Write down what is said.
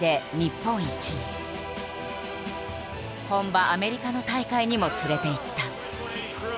本場アメリカの大会にも連れて行った。